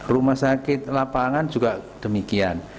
rumah sakit lapangan juga demikian